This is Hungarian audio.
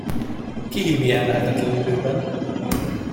Ki hív ilyen lehetetlen időben?